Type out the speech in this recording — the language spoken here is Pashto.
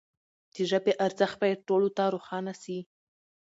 د ژبي ارزښت باید ټولو ته روښانه سي.